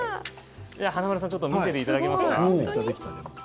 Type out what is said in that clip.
華丸さん見せていただけますか？